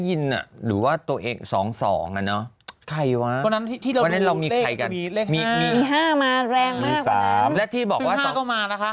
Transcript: มีเลขห้ามีห้ามาแรงมากกว่านั้นและที่บอกว่าห้าก็มานะคะ